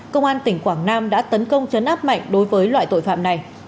công an tỉnh quảng nam đã tấn công chấn áp mạnh đối với loại tội phạm này